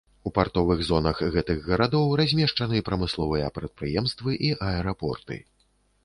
У партовых зонах гэтых гарадоў размешчаны прамысловыя прадпрыемствы і аэрапорты.